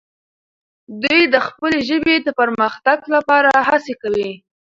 دوی د خپلې ژبې د پرمختګ لپاره هڅې کوي.